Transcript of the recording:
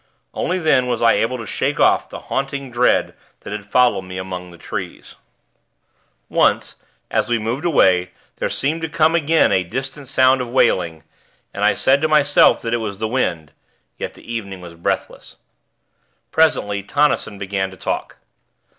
Only then was I able to shake off the haunting dread that had followed me among the trees. Once, as we moved away, there seemed to come again a distant sound of wailing, and I said to myself that it was the wind yet the evening was breathless. Presently, Tonnison began to talk.